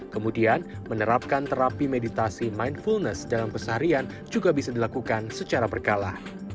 kemudian menerapkan terapi meditasi mindfulness dalam pesaharian juga bisa dilakukan secara berkala